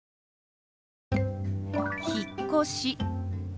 「引っ越し」。